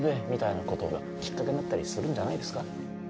みたいなことがきっかけになったりするんじゃないですか？